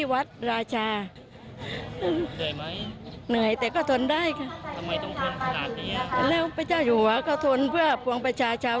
บันทึกอย่าจะร่วมทรนบันเริ่มเห็นว่าท่นคงเคยหายใบ